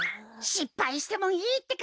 しっぱいしてもいいってか！